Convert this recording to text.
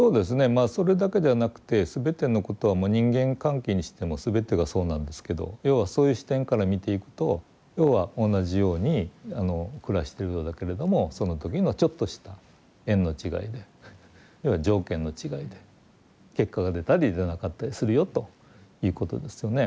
まあそれだけではなくて全てのことはもう人間関係にしても全てがそうなんですけど要はそういう視点から見ていくと要は同じように暮らしてるようだけれどもその時のちょっとした縁の違いで要は条件の違いで結果が出たり出なかったりするよということですよね。